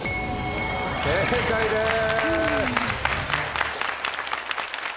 正解です。